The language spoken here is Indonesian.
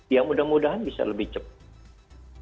ya mudah mudahan bisa lebih cepat